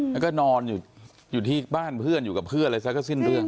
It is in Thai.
แล้วก็นอนอยู่ที่บ้านเพื่อนอยู่กับเพื่อนอะไรซะก็สิ้นเรื่อง